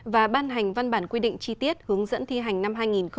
và ban hành văn bản quy định chi tiết hướng dẫn thi hành năm hai nghìn hai mươi